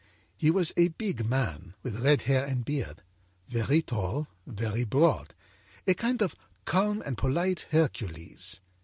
âHe was a big man, with red hair and beard, very tall, very broad, a kind of calm and polite Hercules.